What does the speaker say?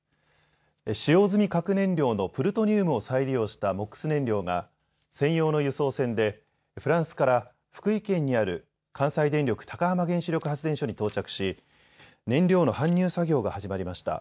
使用済み核燃料のプルトニウムを再利用したＭＯＸ燃料が専用の輸送船でフランスから福井県にある関西電力高浜原子力発電所に到着し燃料の搬入作業が始まりました。